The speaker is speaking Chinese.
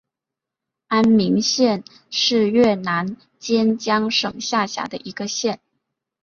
安明县是越南坚江省下辖的一个县。